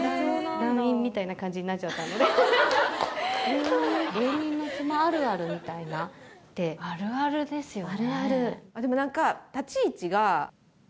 団員みたいな感じになっちゃったので芸人の妻あるあるみたいなってあるあるですよね